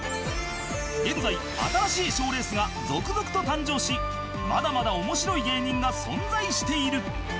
現在新しい賞レースが続々と誕生しまだまだ面白い芸人が存在している